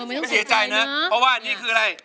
ไม่เสียใจนะเพราะว่านี่คืออะไร